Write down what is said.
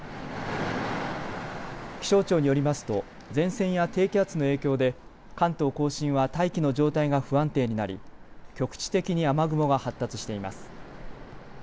気象庁によりますと前線や低気圧の影響で関東甲信は大気の状態が不安定になり局地的に雨雲が発達しています。